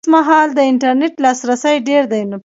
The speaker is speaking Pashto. اوس مهال د انټرنېټ لاسرسی ډېر دی